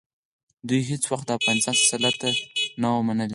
دوی هېڅ وخت د افغانستان سلطه نه وه منلې.